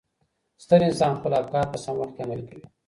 ستر انسان خپل افکار په سم وخت کي عملي کوي.